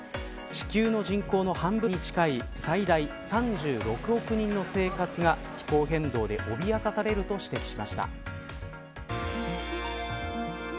地球の人口の半分に近い最大３６億人の生活が気候変動で脅かされると指摘しました。